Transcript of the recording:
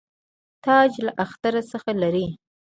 تاج له اختر څخه لري.